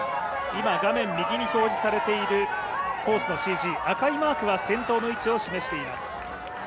今、画面右に表示されている、コースのＣＧ赤いマークは先頭の位置を示しています。